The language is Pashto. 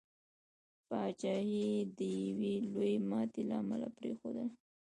پاچهي یې د یوي لويي ماتي له امله پرېښودله.